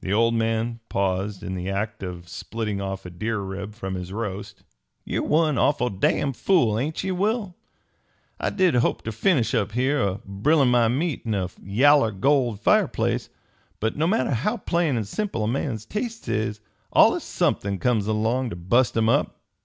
The old man paused in the act of splitting off a deer rib from his roast. "Ye're one awful damn fool, ain't ye, Will? I did hope ter finish up here, a brilin' my meat in a yaller gold fireplace; but no matter how plain an' simple a man's tastes is, allus somethin' comes along ter bust 'em up."